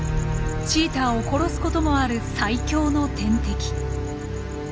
チーターを殺すこともある最強の天敵。